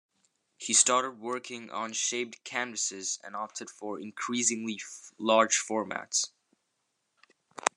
He started working on shaped canvases and opted for increasingly large formats.